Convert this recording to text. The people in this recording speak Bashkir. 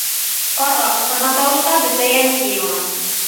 Ҡарға ҡысҡырған тауышҡа бөтә йәнлек йыйылған.